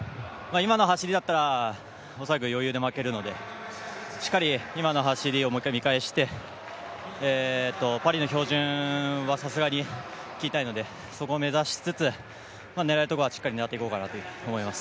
今の走りだったら恐らく余裕で負けるので、しっかり今の走りをもう一回見返して、パリの標準はさすがに切りたいので、そこを目指しつつ、狙えるところはしっかり狙っていこうと思います。